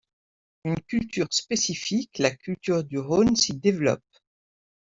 Une culture spécifique, la culture du Rhône s'y développe.